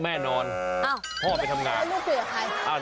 แน่นอนพ่อไปทำงานไม่รู้คุยกับใคร